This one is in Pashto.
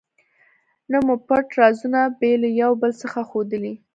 نه مو پټ رازونه بې له یو بل څخه ښودلي.